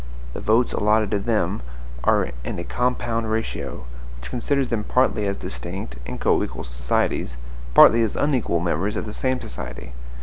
The votes allotted to them are in a compound ratio, which considers them partly as distinct and coequal societies, partly as unequal members of the same society.